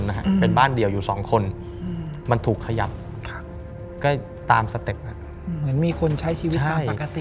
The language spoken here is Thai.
เหมือนมีคนใช้ชีวิตตามปกติ